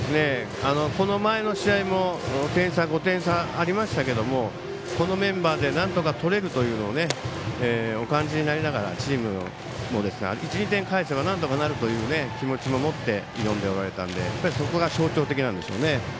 この前の試合も５点差がありましたけどもこのメンバーでなんとか取れるとお感じになりながらチームで１、２点返せばなんとかなるという気持ちを持って挑んでおられたのでそこが象徴的なんでしょうね。